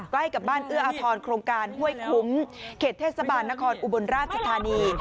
ใกล้กับบ้านเอื้ออทรโครงการห้วยคุ้มเขตเทศบาลนครอุบลราชธานี